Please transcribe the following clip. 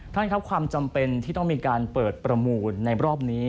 ท่านครับความจำเป็นที่ต้องมีการเปิดประมูลในรอบนี้